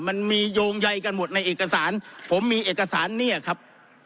มันมีโยงใยกันหมดในเอกสารผมมีเอกสารเนี่ยครับ